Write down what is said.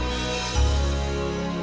tidak tapi sekarang